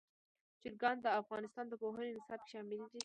چرګان د افغانستان د پوهنې نصاب کې شامل دي.